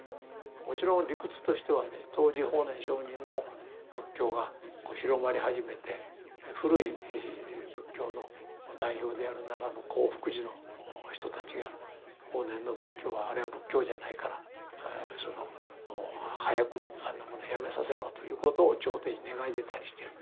もちろん理屈としてはね当時法然上人の仏教が広まり始めて古い仏教の代表である奈良の興福寺の人たちが法然の仏教はあれは仏教じゃないから早くあんなものやめさせろということを朝廷に願い出たりしてる。